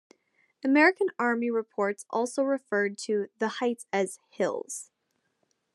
American Army reports also referred to the heights as "hills".